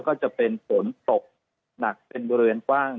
ก็จะเป็นฝนตกหนักเป็นบริเวณกว้าง